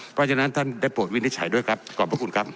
เพราะฉะนั้นท่านได้โปรดวินิจฉัยด้วยครับขอบพระคุณครับ